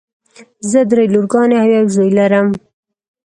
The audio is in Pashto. زه دری لورګانې او یو زوی لرم.